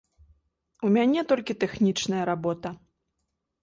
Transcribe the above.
У мяне толькі тэхнічная работа.